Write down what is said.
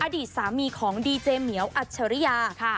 อดีตสามีของดีเจเมียวอัชริยา